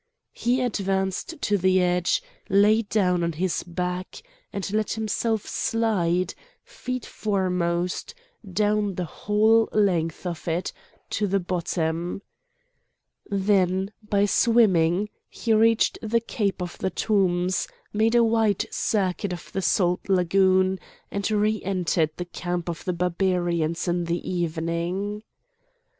He advanced to the edge, lay down on his back, and let himself slide, feet foremost, down the whole length of it to the bottom; then by swimming he reached the Cape of the Tombs, made a wide circuit of the salt lagoon, and re entered the camp of the Barbarians in the evening.